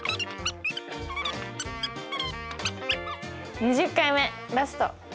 ２０回目ラスト。